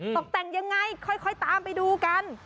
ตกแต่งยังไงค่อยตามไปดูกัน